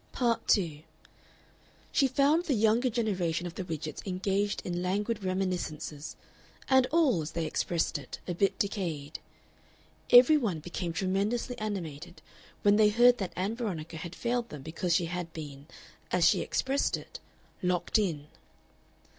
Part 2 She found the younger generation of the Widgetts engaged in languid reminiscences, and all, as they expressed it, a "bit decayed." Every one became tremendously animated when they heard that Ann Veronica had failed them because she had been, as she expressed it, "locked in."